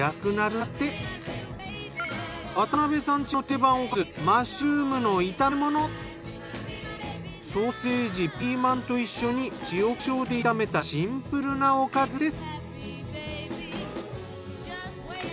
家の定番おかずソーセージピーマンと一緒に塩・コショウで炒めたシンプルなおかずです。